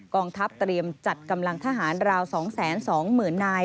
กองทัพเตรียมจัดกำลังทหารราว๒๒๐๐๐นาย